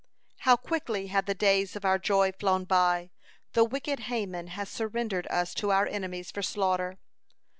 "How quickly have the days of our joy flown by! The wicked Haman has surrendered us to our enemies for slaughter.